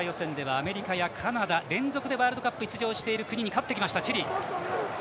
アメリカ予選では連続でワールドカップに出場している国に勝ってきました、チリ。